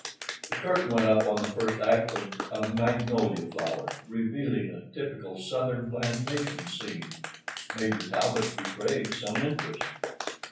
The curtain went up on the first act of A Magnolia Flower, revealing a typical Southern plantation scene. Major Talbot betrayed some interest.